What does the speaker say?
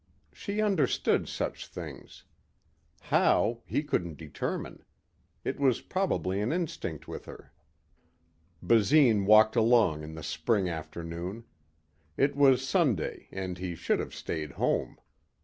She understood such things. How, he couldn't determine. It was probably an instinct with her. Basine walked along in the spring afternoon. It was Sunday and he should have stayed home.